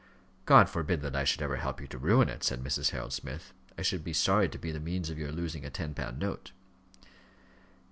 "God forbid that I should ever help you to ruin it," said Mrs. Harold Smith. "I should be sorry to be the means of your losing a ten pound note."